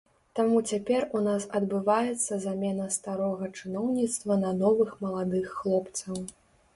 Таму цяпер у нас адбываецца замена старога чыноўніцтва на новых маладых хлопцаў.